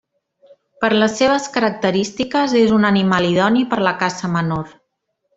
Per les seves característiques és un animal idoni per la caça menor.